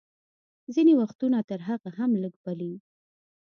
ځینې وختونه تر هغه هم لږ، بلې.